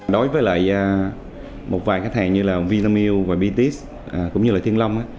đối với lại một vài khách hàng như là vitamill và bitis cũng như là thiên long